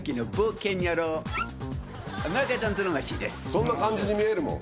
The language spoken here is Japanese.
そんな感じに見えるもん。